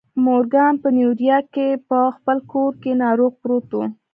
مورګان په نيويارک کې په خپل کور کې ناروغ پروت و.